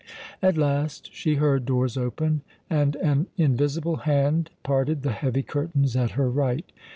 At last she heard doors open, and an invisible hand parted the heavy curtains at her right.